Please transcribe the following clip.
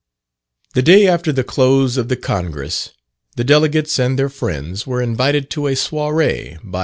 The day after the close of the Congress, the delegates and their friends were invited to a soirée by M.